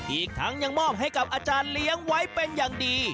อีกทั้งยังมอบให้กับอาจารย์เลี้ยงไว้เป็นอย่างดี